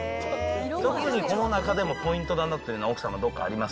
特にこの中でもポイントだなっていうのは奥様、どこかありま